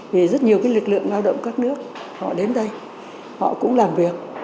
vì rất nhiều lực lượng lao động các nước họ đến đây họ cũng làm việc